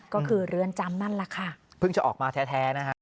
ก็คือเรือนจำนั่นแหละค่ะเพิ่งจะออกมาแท้แท้นะฮะ